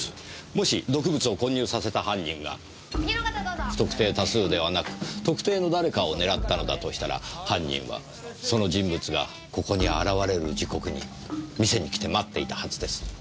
もし毒物を混入させた犯人が不特定多数ではなく特定の誰かを狙ったのだとしたら犯人はその人物がここに現れる時刻に店に来て待っていたはずです。